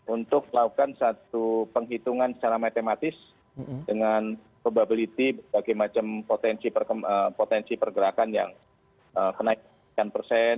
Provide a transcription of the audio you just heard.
untuk melakukan satu penghitungan secara matematis dengan probability bagai macam potensi pergerakan yang kenaikan persen